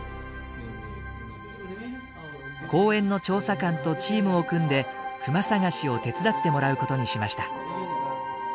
公園の調査官とチームを組んでクマ探しを手伝ってもらうことにしました。